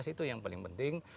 itu yang paling penting